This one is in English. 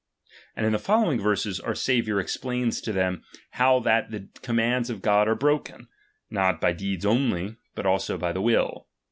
And in the following verses, our Saviour explains to them how that the commands of God are broken, not by deeds only, but also by the will.